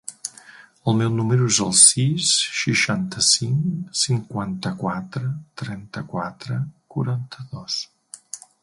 El meu número es el sis, seixanta-cinc, cinquanta-quatre, trenta-quatre, quaranta-dos.